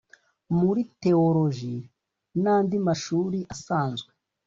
muri thelogy nandi mashuri asanzwe